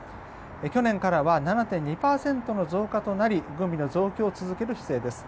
去年からは７．２％の増加となり軍備の増強を続ける姿勢です。